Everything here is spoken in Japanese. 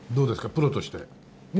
プロとして。